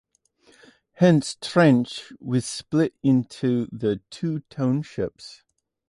Hence Trench was split into the two townships.